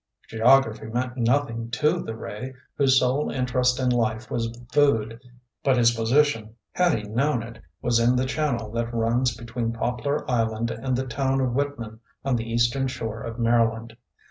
Geography meant nothing to the ray, whose sole interest in life was food, but his position had he known it was in the channel that runs between Poplar Island and the town of Wittman on the Eastern Shore of Maryland.